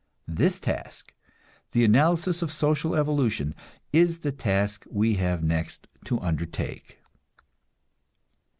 This task, the analysis of social evolution, is the task we have next to undertake.